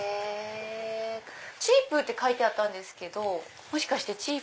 「ちぃぷぅ」って書いてあったんですけどもしかして。